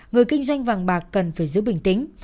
người kinh doanh vàng bạc cần phải giữ bình tĩnh